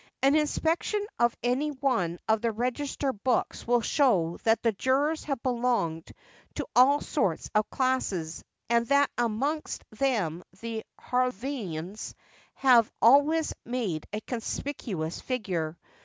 An inspection of any one of the register books will show that the jurors have belonged to all sorts of classes, and that amongst them the Harrovians have always made a conspicuous figure.